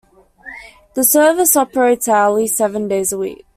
The service operates hourly, seven days a week.